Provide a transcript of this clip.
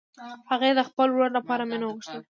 هغې د خپل ورور لپاره مینه غوښتله